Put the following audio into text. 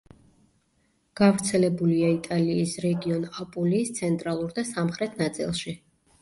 გავრცელებულია იტალიის რეგიონ აპულიის ცენტრალურ და სამხრეთ ნაწილში.